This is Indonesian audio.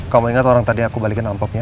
kamu ingat orang tadi aku balikin ampoknya